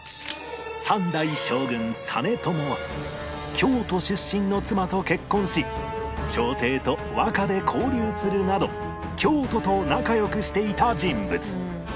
３代将軍実朝は京都出身の妻と結婚し朝廷と和歌で交流するなど京都と仲良くしていた人物